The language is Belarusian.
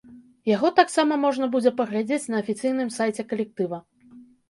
Яго таксама можна будзе паглядзець на афіцыйным сайце калектыва.